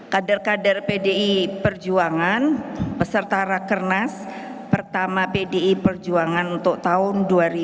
kader kader pdi perjuangan peserta rakernas pertama pdi perjuangan untuk tahun dua ribu dua puluh